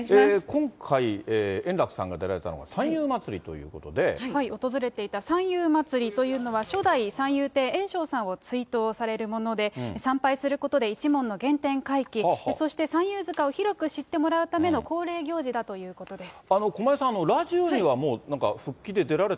今回、円楽さんが出られたのが、訪れていた三遊まつりというのは、初代三遊亭えんしょうさんを追悼されるもので、参拝することで一門の原点回帰、そして三遊塚を広く知ってもらうための恒例行事だということです。